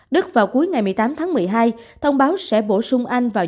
đức vào cuối ngày một mươi tám tháng một mươi hai thông báo sẽ bổ sung anh vào